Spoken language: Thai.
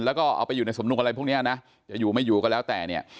แล้วก็เอาไปอยู่ในสมนุกอะไรพวกนี้นะจะอยู่ไม่อยู่ก็แล้วแต่เนี่ย